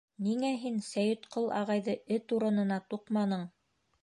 Ниңә һин Сәйетҡол ағайҙы эт урынына туҡманың?